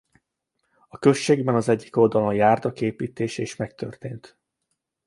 A községben az egyik oldalon járda kiépítése is megtörtént.